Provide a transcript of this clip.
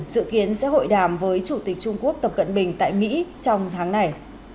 dự kiến sẽ hội đàm với chủ tịch trung quốc tập cận bình tại mỹ trong tháng này